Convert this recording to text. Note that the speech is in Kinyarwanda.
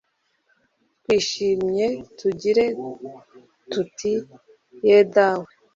twishimye tugira tuti ye dawe